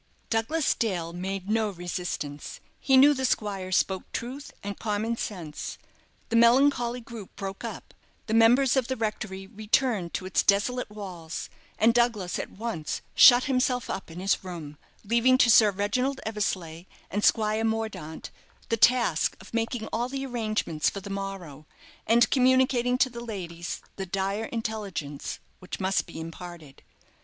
Douglas Dale made no resistance; he knew the squire spoke truth and common sense. The melancholy group broke up, the members of the rectory returned to its desolate walls, and Douglas at once shut himself up in his room, leaving to Sir Reginald Eversleigh and Squire Mordaunt the task of making all the arrangements for the morrow, and communicating to the ladies the dire intelligence which must be imparted.